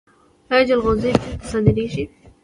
آیا جلغوزي چین ته صادریږي؟